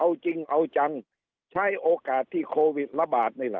เอาจริงเอาจังใช้โอกาสที่โควิดระบาดนี่แหละ